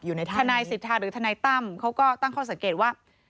ทนายสิทธาหรือทนายตั้มเขาก็ตั้งข้อสังเกตว่า